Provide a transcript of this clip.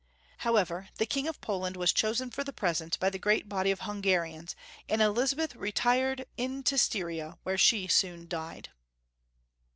However, the King of Poland was chosen for the present by the great body of Hungarians, and Elizabeth retired into Styria, where she soon died.